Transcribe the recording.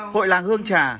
hội làng hương trà